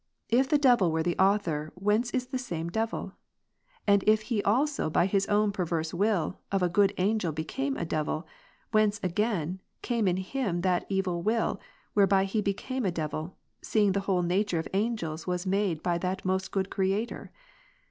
If the devil were the author, whence is that same devil ? And if he also by his own per verse will, of a good angel became a devil, whence, again, came in him that evil will, whereby he became a devil, seeing the whole nature of angels vv'as made by that most good Creator